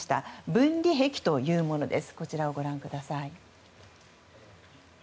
分離壁というものです。